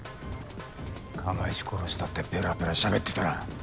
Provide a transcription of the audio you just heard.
釜石殺したってペラペラしゃべってたな。